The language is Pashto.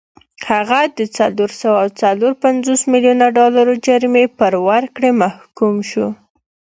هغه د څلور سوه څلور پنځوس میلیونه ډالرو جریمې پر ورکړې محکوم شو.